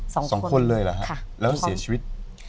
สองคนเลยค่ะแล้วเสียชีวิต